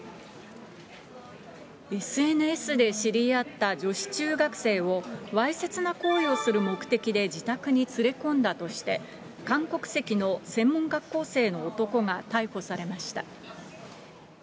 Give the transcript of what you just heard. ＳＮＳで知り合った女子中学生を、わいせつな行為をする目的で自宅に連れ込んだとして、韓国籍の専門学校生の男が逮捕されました。